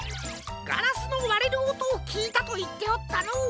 ガラスのわれるおとをきいたといっておったのう。